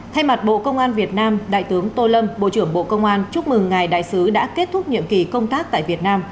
thay mặt bộ công an việt nam đại tướng tô lâm bộ trưởng bộ công an chúc mừng ngài đại sứ đã kết thúc nhiệm kỳ công tác tại việt nam